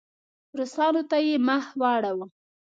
روسانو ته یې مخ واړاوه.